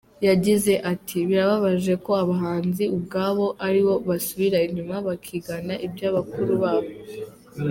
Yagize ati : ”Birababaje ko abahanzi ubwabo ari bo basubira inyuma bakigana ibya bakuru babo.